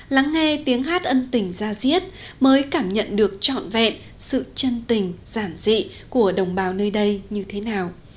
lắng nghe tiếng hát ân tình ra diết mới cảm nhận được trọn vẹn sự chân tình giản dị của đồng bào nơi đây như thế nào